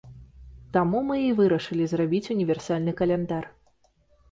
Таму мы і вырашылі зрабіць універсальны каляндар.